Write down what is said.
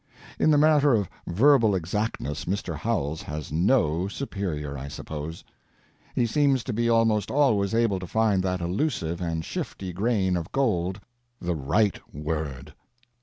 In the matter of verbal exactness Mr. Howells has no superior, I suppose. He seems to be almost always able to find that elusive and shifty grain of gold, the _right word.